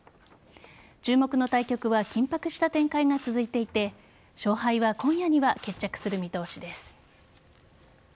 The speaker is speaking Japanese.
注目の対局は緊迫した展開が続いていて勝敗は今夜には決着する見通しです。